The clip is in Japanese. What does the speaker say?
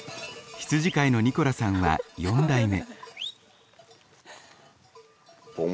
羊飼いのニコラさんは４代目。